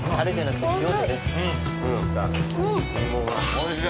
おいしい。